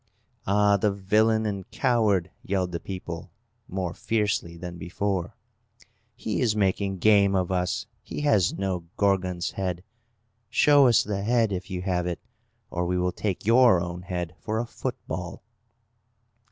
"Ah, the villain and coward!" yelled the people, more fiercely than before. "He is making game of us! He has no Gorgon's head! Show us the head if you have it, or we will take your own head for a football!"